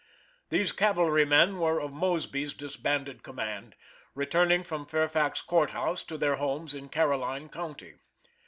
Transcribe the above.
These cavalrymen were of Moseby's disbanded command, returning from Fairfax Court House to their homes in Caroline county.